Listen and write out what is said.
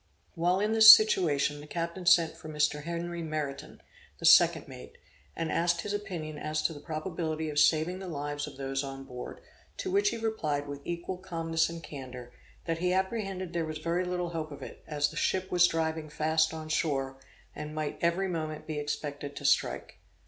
While in this situation, the captain sent for Mr. Henry Meriton, the second mate, and asked his opinion as to the probability of saving the lives of those on board; to which he replied with equal calmness and candor, that he apprehended there was very little hope of it, as the ship was driving fast on shore, and might every moment be expected to strike.